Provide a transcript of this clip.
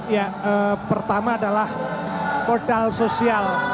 ya pertama adalah modal sosial